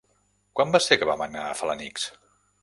Quan va ser que vam anar a Felanitx?